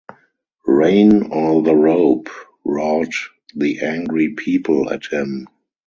"Rain or the rope!" roared the angry people at him.